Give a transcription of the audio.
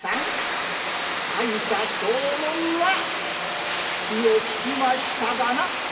書いた証文が口を利きましたかな？」。